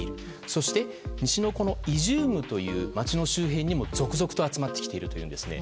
そして、西のイジュームという街の周辺に続々と集まってきているというんですね。